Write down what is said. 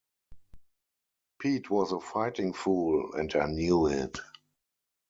Pete was a fighting fool and I knew it.